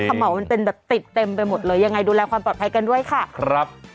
เหมามันเป็นแบบติดเต็มไปหมดเลยยังไงดูแลความปลอดภัยกันด้วยค่ะครับ